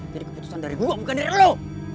jadi keputusan dari gue bukan dari lo